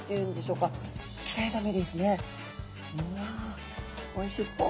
うわおいしそう。